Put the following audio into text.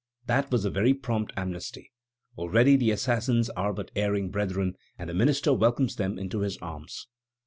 That was a very prompt amnesty. Already the assassins are but erring brethren, and the minister welcomes them to his arms!